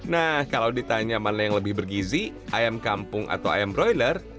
nah kalau ditanya mana yang lebih bergizi ayam kampung atau ayam broiler